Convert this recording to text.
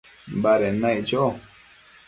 baded naic cho